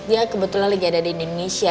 dia kebetulan lagi ada di indonesia